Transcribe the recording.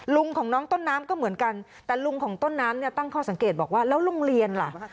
ลุงของน้องต้นน้ำก็เหมือนกันแต่ลุงของต้นน้ำเนี่ยตั้งข้อสังเกตบอกว่าแล้วโรงเรียนล่ะ